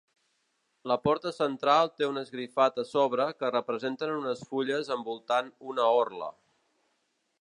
La porta central té un esgrafiat a sobre que representen unes fulles envoltant una orla.